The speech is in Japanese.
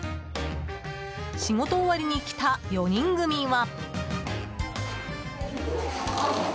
仕事終わりに来た４人組は。